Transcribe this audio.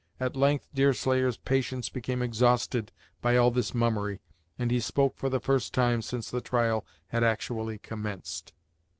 At length Deerslayer's patience became exhausted by all this mummery, and he spoke for the first time since the trial had actually commenced.